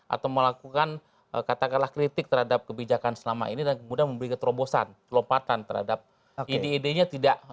atau melakukan katakanlah kritik terhadap kebijakan selama ini dan kemudian memberikan terobosan lompatan terhadap ide idenya tidak